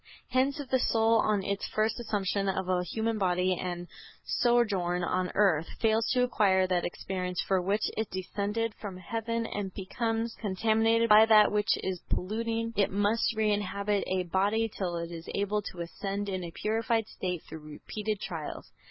Hence if the soul, on its first assumption of a human body and sojourn on earth, fails to acquire that experience for which it descended from heaven and becomes contaminated by that which is polluting, it must reinhabit a body till it is able to ascend in a purified state through repeated trials."